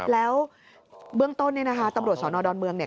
แล้วเบื้องต้นเนี่ยนะคะตำรวจสอนอดอนเมืองเนี่ย